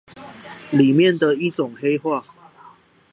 裡面的一種黑話